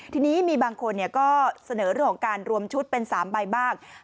ทีนี้มีบางคนก็เสนอเรื่องของการรวมชุดเป็น๓ใบบ้าง